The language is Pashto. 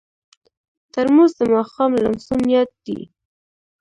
ترموز د ماښام لمسون یاد دی.